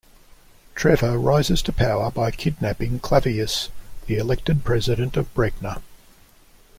Trevor rises to power by kidnapping Clavius, the elected president of Bregna.